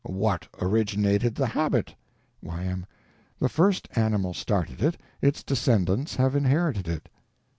What originated the habit? Y.M. The first animal started it, its descendants have inherited it.